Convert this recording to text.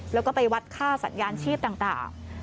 แล้วก็ไปวัดค่าสัญญาณชีพต่าง